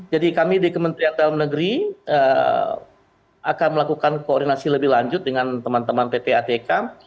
jadi kami di kementerian dalam negeri akan melakukan koordinasi lebih lanjut dengan teman teman ppatk